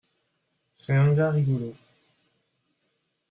C’est un gars rigolo.